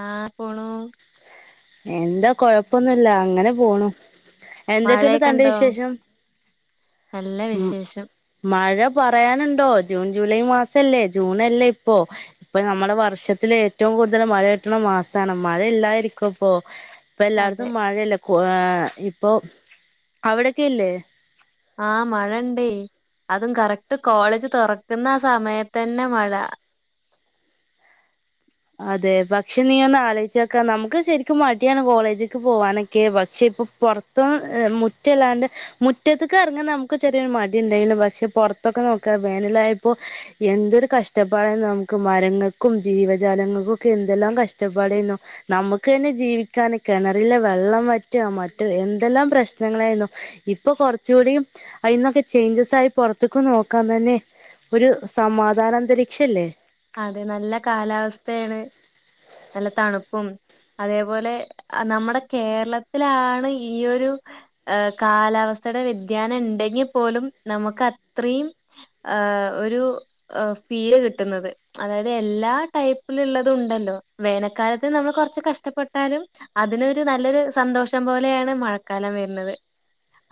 ആഹ് പോണൂ എന്താ കൊഴപ്പൊന്നുല്ല അങ്ങനെ പോണു എന്തൊക്കെണ്ട് മഴയൊക്കെ തന്റെ ഉണ്ടോ വിശേഷം? നല്ല ഉം വിശേഷം മഴ പറയാനുണ്ടോ ജൂൺ ജൂലൈ മാസവല്ലേ ജൂൺ അല്ലേ ഇപ്പോ ഇപ്പൊ നമ്മടെ വർഷത്തി ഏറ്റവും കൂടുതല് മഴ കിട്ട്ണ മാസാണ് മഴല്ലായിരിക്കൊ അപ്പൊ ഇപ്പ എല്ലാട്ത്തും അതെ മഴയല്ലെ ഇപ്പൊ ഏഹ് ഇപ്പൊ അവിടൊക്കെയില്ലേ ആഹ് മഴയുണ്ടേ അതും കറക്റ്റ് കോളേജ് തൊറക്ക്ന്ന ആ സമയത്ത് തന്നെ മഴ അതെ പക്ഷെ നീ ഒന്ന് ആലോചിച്ചു നോക്ക് നമുക്ക് ശരിക്കും മടിയാണ് കോളേജ്ക്ക് പോവാനൊക്കെ പക്ഷെ ഇപ്പൊ പൊറ [unintelligible] മുറ്റം ഇല്ലാണ്ട് മുറ്റത്ത് ഒക്കെ ഇറങ്ങാൻ നമുക്ക് ചെറിയൊരു മടി ഉണ്ടായാലും പക്ഷെ പൊറത്തൊക്കെ നോക്കുക വേനലായപ്പോ- എന്തൊരു കഷ്ടപ്പാട് നമുക്ക് മരങ്ങക്കും ജീവൻ ജനങ്ങക്കൊക്കെ എന്തെല്ലാം കഷ്ടപ്പാടേന്നു നമുക്ക്‌ തന്നെ ജീവിക്കാന് കെണറിലെ വെള്ളം വറ്റുക മറ്റ് എന്തെല്ലാം പ്രശ്നങ്ങളായിന്നു ഇപ്പൊ കൊറച്ചൂ കൂടിയും അയിന്നൊക്കെ ചേഞ്ചെസായി പൊറത്ത്ക്ക് നോക്കാ തന്നെ- ഒരു സമാധാന അന്തരീക്ഷല്ലേ അതെ നല്ല കാലാവസ്ഥയാണ് നല്ല തണുപ്പും- അതേപോലെ നമ്മടെ കേരളത്തിലാണ് ഈ ഒരു - ഏഹ് കാലാവസ്ഥടെ വ്യതിയാനം ഇണ്ടെങ്കി പോലും നമുക്ക് അത്രീം ആഹ് ഒരു ഫീല് കിട്ട്ന്നത്. അതായത് എല്ലാ ടൈപ്പില്ള്ളതുണ്ടല്ലോ വേനക്കാലത്ത് നമ്മള് കൊറച്ച് കഷ്ട്ടപ്പെട്ടാലും അതിനൊരു നല്ലൊരു സന്തോഷം പോലയാണ് മഴക്കാലം വരുന്നത്.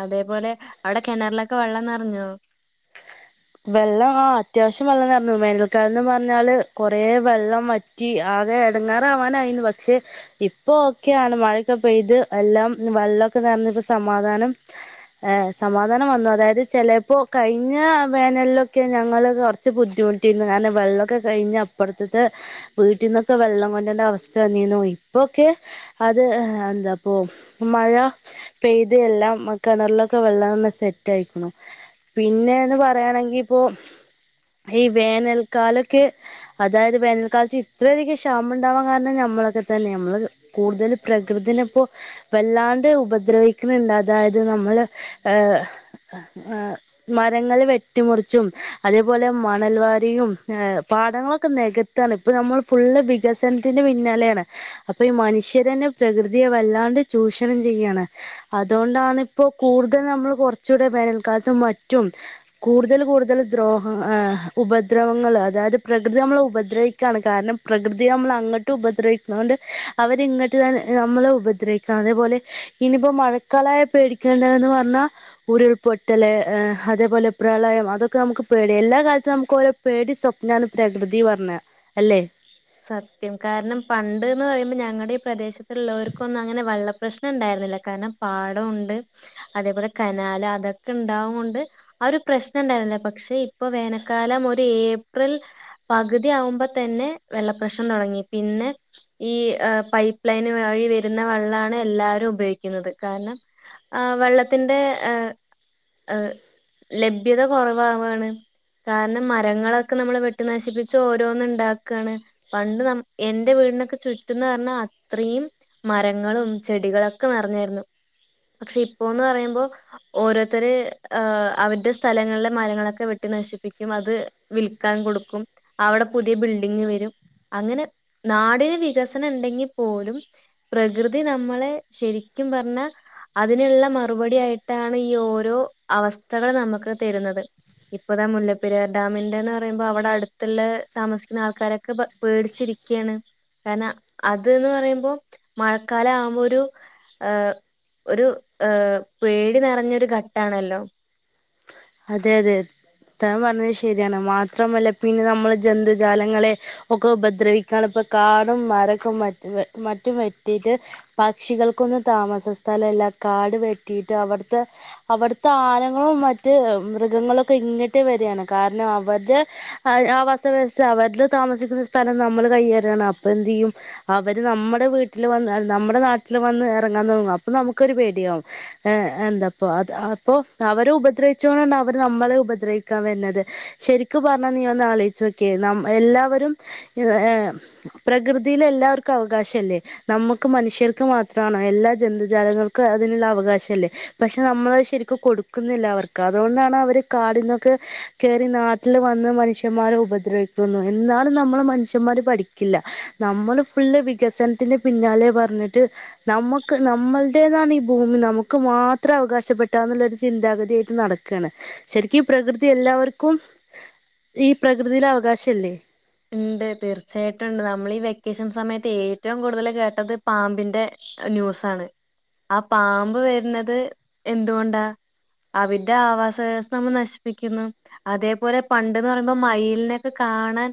അതേപോലെ അവിടെ കെണർലൊക്കെ വെള്ളം നറഞ്ഞോ? വെള്ളം ആ അത്യാവിശ്യം വെള്ളം നെർഞ്ഞു വേനൽക്കാലംന്ന് പറഞ്ഞാല് കൊറേ വെള്ളം വ റ്റി ആകെ എടങ്ങാറാവാനായിന്നു പക്ഷെ ഇപ്പൊ ഒക്കയാണ് മഴൊക്കെ പെയ്ത് എല്ലാം വള്ളൊക്കെ നെറഞ്ഞപ്പോ സമാധാനം ഏഹ് സമാധാനം വന്നു അതായത് ചെലേപ്പോ കഴിഞ്ഞാ വേനൽലൊക്കെ ഞങ്ങള് കൊറച്ച് ബുദ്ധിമുട്ടിരുന്നു കാരണം വെള്ളൊക്കെ കഴിഞ്ഞ് അപ്പർത്ത്ത്തെ വീട്ടീന്നൊക്കെ വെള്ളം കൊണ്ട്രണ്ട അവസ്ഥ വന്നീന്നൂ ഇപ്പൊ ഒക്കെ അത് എന്താപ്പൊ മഴ പെയ്ത് എല്ലാം കെണറ്ലൊക്കെ വെള്ളംന്ന് സെറ്റായിക്ക്ണു ഉം പിന്നേന്ന് പറ യാണെങ്കി ഇപ്പോ ഈ വേനൽക്കാലൊക്കെ അതായത് വേനൽക്കാലത്ത് ഇത്രയധികം ക്ഷാമണ്ടാവാൻ കാരണം നമ്മളൊക്കെ തന്നെ നമ്മള് കൂടുതല് പ്രകൃതിയിനെ ഇപ്പോ വല്ലാണ്ട് ഉപദ്രവിക്ക്ണ് ണ്ട് അതായത് നമ്മള് ഏഹ് അഹ് മരങ്ങള് വെട്ടി മുറിച്ചും അതേപോലെ മണൽവാരിയും എഹ് പാടങ്ങളൊക്കെ നിക ത്താണ് ഇപ്പ നമ്മൾ ഫുള്ള് വികസനത്തിന്റെ പിന്നാലെയാണ് അപ്പൊ ഈ മനുഷ്യര് തന്നെ പ്രകൃതിയെ വല്ലാണ്ട് ചൂഷണം ചെയ്യാണ് അതോണ്ടാണ് ഇപ്പൊ കൂടുതലും നമ്മള് കൊറച്ചൂടെ വേനൽക്കാലത്ത് മറ്റും കൂടുതൽ കൂടുതൽ ദ്രോഹ ഏഹ് ഉപദ്രവങ്ങൾ അതായത് പ്രകൃതി നമ്മളെ ഉപദ്രവി ക്കാണ് കാരണം പ്രകൃതിയെ നമ്മൾ അങ്ങട്ട് ഉപദ്രവിക്ക്ണോണ്ട് അവര് ഇങ്ങട്ട് തന്നെ നമ്മളെ ഉപദ്രവി ക്ക അതേപോലെ ഇനിയിപ്പോ മഴക്കാലായ പേടിക്കേണ്ടേന്ന് പറഞ്ഞാ ഉരുൾപൊട്ടല് അതേപോലെ പ്രളയം അതൊക്കെ നമുക്ക് പേടിയാ എല്ലാ കാലത്തും നമുക്ക് ഓരോ പേടി സ്വപ്നാണ് പ്രകൃതി പറഞ്ഞ അല്ലേ? സത്യം കാരണം പണ്ട് എന്ന് പറയുമ്പോ ഞങ്ങടെ ഈ പ്രദേശത്ത് ഇള്ളവർക്കൊന്നും അങ്ങനെ വെള്ള പ്രശ്നം ഇണ്ടായിരുന്നില്ല കാരണം പാടമുണ്ട് അതേപോലെ കനാൽ അതൊക്കെ ഇണ്ടാവും കൊണ്ട് ആ ഒരു പ്രശ്നം ഇണ്ടായിരുന്നില്ല പക്ഷെ ഇപ്പൊ വേനൽക്കാലം ഒരു ഏപ്രിൽ പകുതി ആവുമ്പം തന്നെ വെള്ളപ്രശ്നം തൊടങ്ങി പിന്നെ ഈ പൈപ്പ് ലൈൻ വഴി വരുന്ന വെള്ളാണ് എല്ലാരും ഉപയോഗിക്കുന്നത് കാരണം ആഹ് വെള്ളത്തിന്റെ ലഭ്യത കൊറവാവാണ് കാരണം മരങ്ങളൊക്കെ നമ്മള് വെട്ടി നശിപ്പിച്ച് ഓരോന്ന് ഇണ്ടാക്ക ക്കാണ് പണ്ട് നമു എന്റെ വീടിനൊക്കെ ചുറ്റുംന്ന് പറഞ്ഞാ അത്രയും മരങ്ങളും ചെടികളൊക്കെ നിറഞ്ഞായിരുന്നു പക്ഷെ ഇപ്പോന്ന് പറയുമ്പം ഓരോരുത്തര് ഏഹ് അവരുടെ സ്ഥലങ്ങളിലെ മരങ്ങളൊക്കെ വെട്ടി നശിപ്പിക്കും അത് വിൽക്കാൻ കൊടുക്കും അവിടെ പുതിയ ബിൽ ഡിങ്ങ് വരും അങ്ങനെ നാടിന് വികസനം ഇണ്ടെങ്കി പോലും പ്രകൃതി നമ്മളെ ശരിക്കും പറഞ്ഞാ അതിനുള്ള മറുപടി ആയിട്ടാണ് ഈ ഓരോ അവസ്ഥകള് നമുക്ക് തരുന്നത് ഇപ്പതാ മുല്ലപ്പെരിയാർ ഡാമിന്റേന്ന് പറയുമ്പോ അവിടെ അടുത്തുള്ള താമസിക്ക ക്കുന്ന ആൾക്കാരൊക്കെ ഭയ പേടിച്ചിരിക്കയാണ് കാരണം അത് ന്ന് പറയുമ്പോ മഴക്കാലം ആവുമ്പോ ഒരു ഏഹ് ഒരു ഏഹ് പേടി നിറഞ്ഞൊരു ഘട്ടാണല്ലോ? അതെ അതെ താൻ പറഞ്ഞത് ശരിയാണ് മാത്രമല്ല പിന്നെ നമ്മള് ജന്തുജാലങ്ങളെ ഒക്കെ ഉപദ്രവിക്കാണ് ഇപ്പൊ കാടും മരക്കെ മറ്റും വെട്ടിയിട്ട് പക്ഷികൾക്കൊന്നും താമസ സ്ഥലല്ല കാട് വെട്ടിയിട്ട് അവിടുത്തെ അവിടുത്തെ ആനകളും മറ്റ് മറ്റ് മൃഗങ്ങളൊക്കെ ഇങ്ങിട്ട് വരികയാണ് കാരണം അവരുടെ ആവസവ്യവസ്ഥ അവരുടെ താമസിക്കുന്ന സ് സ്ഥലം നമ്മള് കൈയേറുകയാണ് അപ്പ എന്ത് ചെയ്യും അവര് നമ്മുടെ വീട്ടില് വന്നാൽ നമ്മുടെ നാട്ടിൽ വന്ന് ഇറങ്ങാൻ തുടങ്ങും അപ്പൊ നമുക്കൊരു പേടിയാവും ഏ ഏന്താപ്പൊ അത് അപ്പൊ അവരെ ഉപദ്രവി ച്ചോണ്ട് അവര് നമ്മളേം ഉപദ്രവിക്കാൻ വരുന്നത് ശരിക്കു പറഞ്ഞ നീ ഒന്ന് അലോചിച്ച് നോക്കിയെ നമ് എല്ലാവരും ഏ പ്രകൃതിയില് എല്ലാവർക്കും അവകാശം ഇല്ലേ നമ്മുക്ക് മനുഷ്യർക്ക് മാ ത്രാണോ എല്ലാ ജന്തുജാലങ്ങൾക്കും അതിനുള്ള അവകാശം ഇല്ലേ പക്ഷെ നമ്മളത് ശരിക്കും കൊടുക്കുന്നില്ല അവർ ക്കതോണ്ടാണ് അവര് കാടിന്നൊക്കെ കേറി നാട്ടിൽ വന്ന് മനുഷ്യന്മാരെ ഉപദ്രവി ക്കുന്നു എന്നാലും നമ്മള് മനുഷ്യന്മാര് പഠി ക്കില്ല നമ്മള് ഫുള്ള് വികസനത്തിന്റെ പിന്നാലെ പറഞ്ഞിട്ട് നമുക്ക് നമ്മളടേതാണ് ഈ ഭൂമി നമുക്ക് മാത്രം അവകാശപ്പെട്ടാന്നുള്ളരു ചിന്താഗതിയ യിട്ട് നടക്കയാണ് ശരിക്കും ഈ പ്രകൃതി എല്ലാവർക്കും ഈ പ്രകൃതിയില് അവകാശല്ലേ ഉണ്ട് തീർച്ചയായിട്ടും ഉണ്ട് നമ്മൾ ഈ വെക്കേഷൻ സമയത്ത് ഏറ്റവും കൂടുതല് കേട്ടത് പാമ്പിന്റെ ന്യൂസാണ് ആ പാമ്പ് വരുന്നത് എന്തുകൊണ്ടാ അവിന്റെ ആവാസ വ്യവസ്ഥ അമ്മൾ നശിപ്പിക്ക്ന്നു അതേപോലെ പണ്ട്ന്ന് പറയമ്പോ മയിലിനെക്കെ കാണാൻ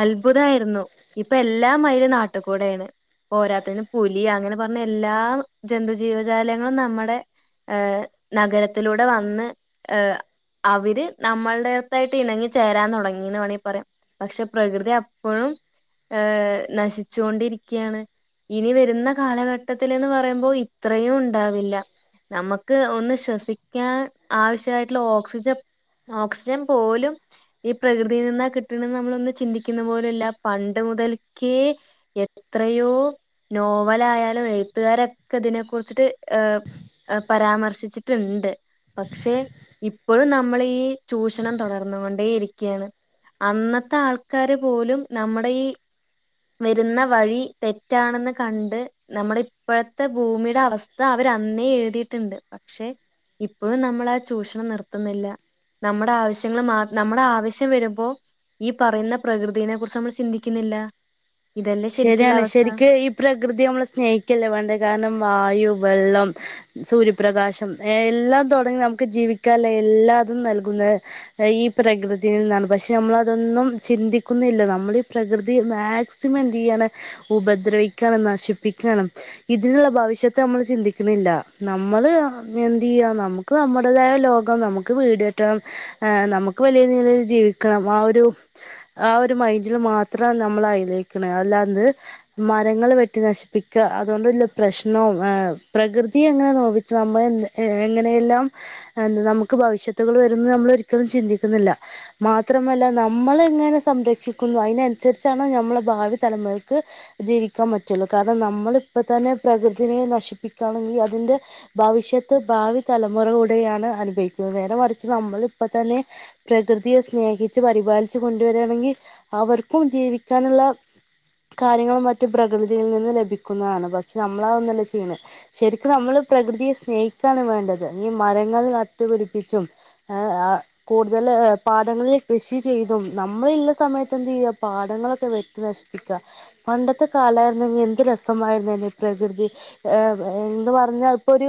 അത്ഭുതയിരിന്നു ഇപ്പ എല്ലാ മൈല് നാട്ട്ക്കൂടെയാണ് പോരാത്തന് പുലി അങ്ങനെ പറഞ്ഞ എല്ലാ ജന്തുജീവജാലങ്ങളും നമ്മടെ ഏഹ് നഗരത്തിലൂടെ വന്ന് ഏഹ് അവര് നമ്മളടെത്തായ്ട്ട് ഇണങ്ങി ചേരാൻ തുടങ്ങിന്ന് വേണേ പറയാം പക്ഷെ പ്രകൃതി അപ്പയും ഏ നശിച്ചോണ്ടിരിക്കയാണ് ഇനി വരുന്ന കാലഘട്ടത്തില് ന്ന് പറയുമ്പോ ഇത്രയും ഉണ്ടാവില്ല നമ്മക്ക് ഒന്ന് ശ്വസിക്കാൻ ആവശ്യമായിട്ട്ള്ള ഓക്സിജൻ ഓക്സിജൻ പോലും ഈ പ്രകൃതിയിൽ നിന്ന കി ട്ടണന്ന് നമ്മളൊന്ന് ചിന്തിക്ക്‌ന്ന പോലുല്ല പണ്ട് മുതൽക്കേ എത്രയോ നോവലായാലും എഴുത്തുകാരൊക്കെ തിനെ കുറിച്ചിട്ട് ഏഹ് പരാമർശിച്ചിട്ട്ണ്ട് പക്ഷെ ഇപ്പഴും നമ്മളീ ചൂഷണം തൊടർന്നുകൊണ്ടേ ഇരിക്ക്യാണ് അന്നത്ത ആൾക്കാര് പോലും നമ്മടെ ഈ വരുന്ന വഴി തെറ്റാണെന്ന് കണ്ട് നമ്മടെ ഇപ്പഴത്ത ഭൂമിടെ അവസ്ഥ അവരന്നേ എഴുതിയിട്ടുണ്ട് പക്ഷെ ഇപ്പഴും നമ്മളാ ചൂഷണം നിർത്തുന്നില്ല നമ്മടെ ആവശ്യങ്ങള് മാ നമ്മടെ ആവശ്യം വരുമ്പോ ഈ പറയുന്ന പ്രകൃതിനെ കുറിച്ച് നമ്മള് ചിന്തിക്ക്ന്നില്ല ശരിയാണ് ശരിക്ക് ഈ പ്രകൃതിയ നമ്മള്സ്നേഹിക്കല്ലേ വെണ്ടേ കാരണം വായു വെള്ളം സൂര്യപ്രകാശം എല്ലാം തൊടങ്ങി നമുക്ക് ജീവിക്കാളള എല്ലാതും നൽകുന്ന ഈ പ്രകൃതിയിൽ നിന്നാണ് പക്ഷെ നമ്മളതൊന്നും ചിന്തിക്കുന്നേല്ല നമ്മള് ഈ പ്രകൃതി മാക്സ് സിമം എന്ത് ചെയ്യാണ് ഉപദ്രവിക്കാണ് നശിപ്പിക്കാണ് ഇതിനുള്ള ഭവിഷ്യത്ത് നമ്മള് ചിന്തിക്കണില്ല നമ്മള് എന്ത്ചെയ്യാ നമു ക്ക് നമ്മുടേതായ ലോകം നമുക്ക് വീട് കെട്ടണം ആഹ് നമുക്ക് വലിയ നിലയ്ൽ ജീവിക്കണം ആ ഒരു ആ ഒരു മൈൻഡില് മാത്ര നമ്മള്‌ അയ്ലേക്കണ അല്ലാണ്ട് മരങ്ങള് വെട്ടി നശിപ്പിക്ക അതോണ്ട്ള്ള പ്രശ്നവും പ്രകൃതി എങ്ങനെ നോവി നമ്മൾ ഇന്ന് എങ്ങനെയെല്ലാം അണ് നമുക്ക് ഭവിഷ്യത്തുകള് വരുന്ന് നമ്മൾ ഒരിക്കലും ചിന്തിക്കുന്നില്ല മാത്രമല്ല നമ്മള് എങ്ങനെ സംരക്ഷിക്കുന്നു അയ്നനുസരിച്ചാണ് ഞമ്മള ഭാവി തലമുറക്ക് ജീവിക്കാൻ പറ്റുള്ളു കാരണം നമ്മള് ഇപ്പ തന്നെ പ്രകൃതിനേ നശിപ്പിക്കാണെങ്കിൽ അതിന്റെ ഭവിഷ്യത്ത് ഭാവി തലമുറ കൂടെയാണ് അനുഭവിക്കുന്നത് നേരെ മറിച്ച് നമ്മളിപ്പതന്നെ പ്രകൃതിയെ സ്നേഹിച്ച് പരിപാലിച്ച് കൊണ്ടുവരാണെങ്കി അവർക്കും ജീവിക്കാനുള്ള കാര്യങ്ങളും മറ്റു പ്രകൃതിയിൽ നിന്ന് ലഭിക്കുന്നതാണ് പക്ഷെ നമ്മളതൊന്നുല്ല ചെയ്യണെ ശരിക്കും നമ്മള് പ്രകൃതിയെ സ്നേഹിക്കാണ് വേണ്ടത് ഈ മരങ്ങൾ നട്ടുപിടിപ്പിച്ചും അഹ് ആഹ് കൂടുതല് പാടങ്ങളിൽ കൃഷി ചെയ്തും നമ്മളിള്ള സമയത്ത് എന്തയ്യ പാടങ്ങളൊക്കെ വെ ട്ടിനശിപ്പിക്ക പണ്ടത്തെ കാലായിര്ന്നങ്കി എന്ത് രസമായിരുന്നന്നെ പ്രകൃതി ഏഹ് എന്ന് പറഞ്ഞാൽ ഇപ്പൊ ഒരു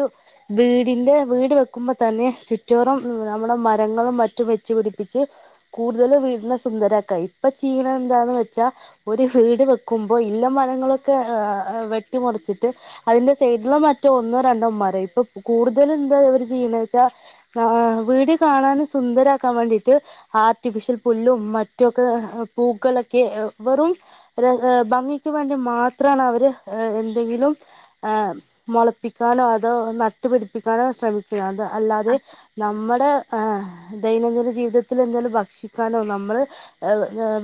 വീടിന്റെ വീട് വെക്കുമ്പതന്നെ ചുറ്റോറും നമ്മുടെ മരങ്ങളും മറ്റും വെച്ച്പിടിപ്പിച്ച് കൂടുതല്‌ വീട്നെ സുന്ദരാക്കാ ഇപ്പ ചെയ്യണ എന്താന്ന് വെച്ചാ ഒരു വീട് വെക്കുമ്പൊ ഇള്ള മരങ്ങളൊക്കെ വെട്ടിമുറിച്ചിട്ട് അതിന്റെ സൈഡിലോ മറ്റോ ഒന്നോരണ്ടോ മരം ഇപ്പ കൂടുതലും എന്താ അവര് ചെയ്യണേച്ചാ ആഹ് വീട് കാണാനും സുന്ദരക്കാൻ വേണ്ടിട്ട് ആർട്ടിഫിഷ്യൽ പുല്ലും മറ്റൊക്കെ പൂക്കളൊക്കെ വെറും ഭംഗിക്ക് വേണ്ടി മാത്രണ് അവര് എന്തെങ്കിലും മൊളപ്പിക്കാനോ അതോ നട്ടുപിടിപ്പിക്കാനോ ശ്രമിക്ക്ണത് അല്ലാതെ നമ്മടെ ഏ ദൈനംദിന ജീവിതത്തിൽ എന്തേലും ഭക്ഷിക്കാനോ നമ്മള്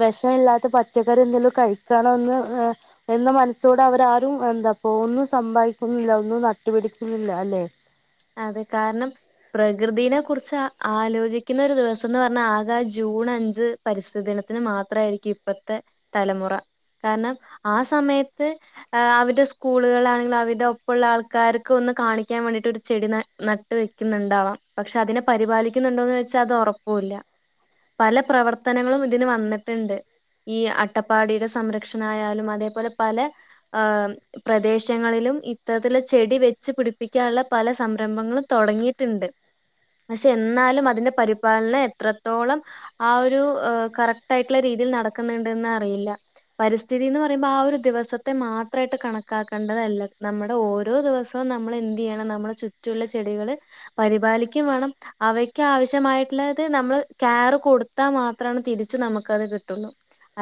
വെശമില്ലാത്ത പച്ചക്കറി എന്തേലും കഴിക്കാണോ ഒന്ന് എന്ന മനസ്സോടെ അവരാരും എന്തപ്പോ ഒന്നും സമ്പായിക്കുന്നില്ല ഒന്നും നട്ടുപിടിക്കുന്നില്ല അല്ലെ അതെ കാരണം പ്രകൃതിനെ കുറിച്ച് ആ ആലോചിക്കുന്ന ഒരു ദിവസം എന്ന് പറഞ്ഞാൽ ആകെ ജൂൺ അഞ്ച് പരിസ്ഥി ദിനത്തിന് മാത്രം ആയിരിക്കും ഇപ്പത്തെ തലമുറ കാര്ണം ആ സമയത്ത് അവരുടെ സ്കൂള്കളാണെങ്കിലിൽ അവരുടെ ഒപ്പള്ള ആൾക്കാർക്ക് ഒന്ന് കാണിക്കാൻ വേണ്ടിട്ട് ഒര് ചെടി ന നട്ട് വെക്കുന്നുണ്ടാവാം പക്ഷേ അതിനെ പരിപാലിക്കുന്നുണ്ടോന്ന് വെച്ചാൽ അത് ഒറപ്പുല്ല പല പ്രവർത്തനങ്ങളും ഇതിന് വന്ന്ട്ട്ണ്ട് ഈ അട്ടപ്പാടിടെ സംരക്ഷണയാലും അതേ പോലെ പലെ ഹേം പ്രദേശങ്ങളിലും ഇത്തരത്തിലെ ചെടി വെച്ച് പിടിപ്പിക്കാള്ള പല സംരംഭങ്ങളും തൊടങ്ങീട്ട്ണ്ട് പഷേ എന്നാലും അതിന്റെ പരിപാലനം എത്രത്തോളം ആ ഒരു കറക്റ്റ് ആയിട്ട്ള്ള രീതിയിൽ നടക്കുന്നുണ്ട്ന്ന് അറിയില്ല പരിസ്ഥിതീന്ന് പറയുമ്പോ ആ ഒരു ദിവസത്തെ മാത്രായിട്ട് കണക്കാക്കേണ്ടതല്ല നമ്മുടെ ഓരോ ദിവസം ഇപ്പോ നമ്മള് എന്തിയ്യണം നമ്മളെ ചുറ്റുള്ള ചെടികള് പരിപാലിക്കും വാണം അവയ്ക്ക് ആവശ്യമായിട്ടുള്ളത് നമ്മള് ക്യാർ കൊടുത്താൽ മാത്രാണ് തിരിച്ചു നമുക്കത് കിട്ടൊള്ളൂ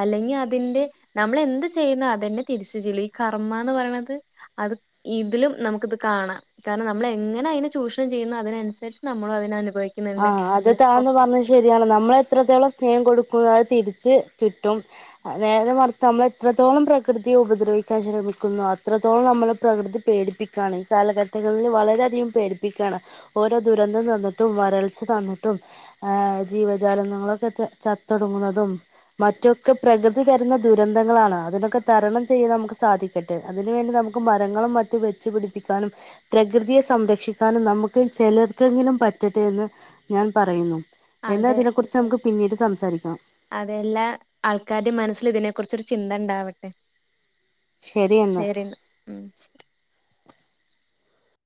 അല്ലെങ്കി അതിന്റെ നമ്മൾ എന്ത് ചെയ്യുന്ന അതെന്നെ തിരിച്ച് ചെല്ലും ഈ കർമ്മാന്ന് പറയ്ണത് അത് ഇതിലും നമുക്ക് ഇത് കാണാം കാര്ണം നമ്മൾ എങ്ങനെ അയിനെ ചൂഷണം ചെയ്യുന്നു അതിനനുസരിച്ച് നമ്മളും അതിനനുഭവിക്കും ആഹ് അത് താ എന്ന് പറഞ്ഞത് ശരിയാണ് നമ്മൾ എത്രത്തോളം സ്നേഹം കൊടുക്കുന്നു അത് തിരിച്ച് കിട്ടും നേരെ മറിച്ച് നമ്മൾ എത്രത്തോളം പ്രകൃതിയെ ഉപദ്രവിക്കാൻ ശ്രമിക്കുന്നു അത്രത്തോളം നമ്മളെ പ്രകൃതി പേടിപ്പി ക്കാണ് കാലഘട്ടങ്ങളിൽ വളരെ അധികം പേടിപ്പിക്കാണ് ഓരോ ദുരന്തം തന്നിട്ടും വ രൾച്ച തന്നിട്ടും ഏഹ് ജീവ ജാലങ്ങളൊക്കെ ചത്തൊടുങ്ങുന്നതും മറ്റൊക്കെ പ്രകൃതി തരുന്ന ദുരന്തങ്ങളാണ് അതിനൊക്കെ തരണം ചെയ്യാൻ നമുക്ക് സാധി തരട്ടെ അതിന് വേണ്ടി നമുക്ക് മരങ്ങളും മറ്റും വെച്ച് പിടിപ്പിക്കാനും പ്രകൃതിയെ സംരക്ഷിക്കാനും നമുക്ക് ചിലർക്കെങ്കിലും പറ്റ ട്ടെ എന്ന് ഞാൻ പറയുന്നു എന്നാ അതെ ഇതിനെ കുറിച്ച് നമുക്ക് പിന്നീട് സംസാരിക്കാം അതെല്ലാം ആൾക്കാരുടെ മനസ്സില് ഇതിനെ കുറിച്ചൊരു ചിന്ത ഉണ്ടാവട്ടെ ശരി എന്നാ ഉം